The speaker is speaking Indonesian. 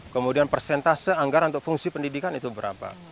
kemudian persentase anggaran untuk fungsi pendidikan itu berapa